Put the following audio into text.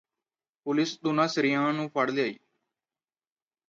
police ਦੋਂਨਾਂ ਸੀਰੀਆਂ ਨੂੰ ਫੜ ਲਿਆਈ